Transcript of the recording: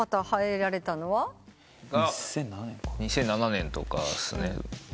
２００７年とかっすね。